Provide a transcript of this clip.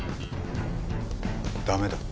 駄目だ。